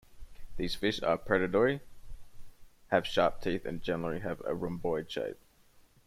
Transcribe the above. These fish are predatory, have sharp teeth and generally have a rhomboid shape.